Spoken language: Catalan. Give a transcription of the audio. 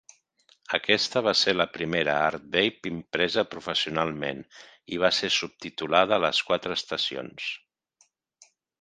Aquesta va ser la primera "Artbabe" impresa professionalment i va ser subtitulada "Les Quatre Estacions".